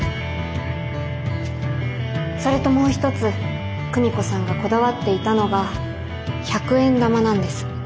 それともう一つ久美子さんがこだわっていたのが百円玉なんです。